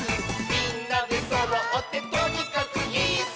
「みんなでそろってとにかくイス！」